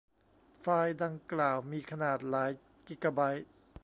ไฟล์ดังกล่าวมีขนาดหลายกิกะไบต์